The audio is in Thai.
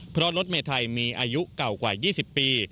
เพราะรถเมไทยมีอายุเก่ากว่า๒๐ปี